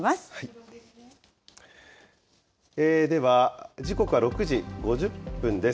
では、時刻は６時５０分です。